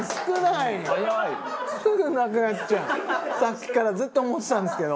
さっきからずっと思ってたんですけど。